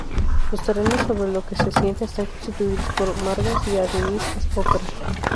Los terrenos sobre los que se asienta están constituidos por margas y areniscas ocre.